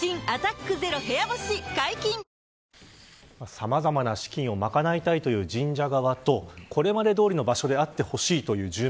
さまざまな資金を賄いたいという神社側とこれまでどおりの場所であってほしいという住民。